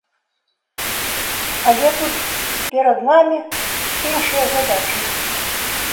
Але тут перад намі іншыя задачы.